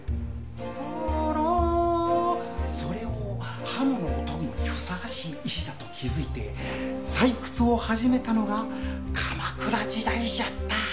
「タラ」それを刃物を研ぐのにふさわしい石だと気づいて採掘を始めたのが鎌倉時代じゃった。